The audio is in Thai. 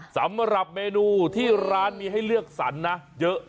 สำหรับเมนูที่ร้านมีให้เลือกสรรนะเยอะ